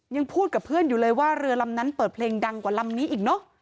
ยังพูดกับเพื่อนอยู่เลยว่าเรือลำนั้นเปิดเพลงดังกว่าลำนี้อีกเนอะ